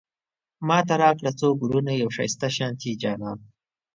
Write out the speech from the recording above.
ماته راکړه څو ګلونه، يو ښايسته شانتی جانان